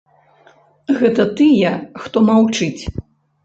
Гэта тыя, хто маўчыць.